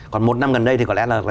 còn một năm gần đây thì có lẽ là